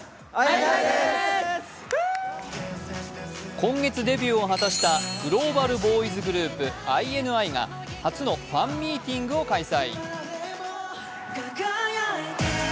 今月デビューを果たしたグローバルボーイズグループ、ＩＮＩが初のファンミーティングを開催。